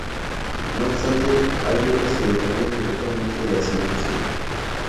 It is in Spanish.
No obstante hay otras que dependen directamente de la Santa Sede.